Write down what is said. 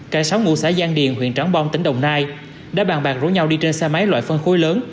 cả sáu ngũ xã giang điền huyện tráng bom tỉnh đồng nai đã bàn bàn rủ nhau đi trên xe máy loại phân khối lớn